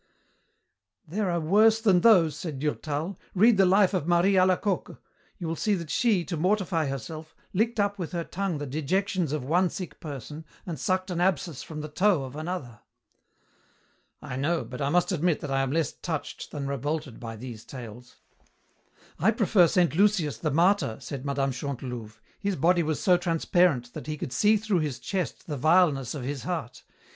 "There are worse than those," said Durtal. "Read the life of Marie Alacoque. You will see that she, to mortify herself, licked up with her tongue the dejections of one sick person and sucked an abscess from the toe of another." "I know, but I must admit that I am less touched than revolted by these tales." "I prefer Saint Lucius the martyr," said Mme. Chantelouve. "His body was so transparent that he could see through his chest the vileness of his heart.